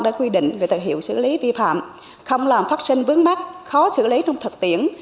đã quy định về thời hiệu xử lý vi phạm không làm phát sinh vướng mắt khó xử lý trong thực tiễn